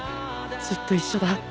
ずっと一緒だ。